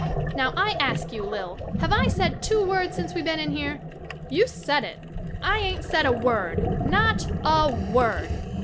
Now I ask you, Lil, have I said two words since we been in here? You said it — I ain't said a word — not — a — word.